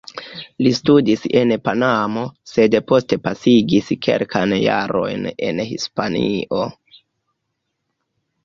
Li studis en Panamo, sed poste pasigis kelkajn jarojn en Hispanio.